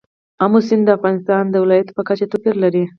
آمو سیند د افغانستان د ولایاتو په کچه توپیر لري.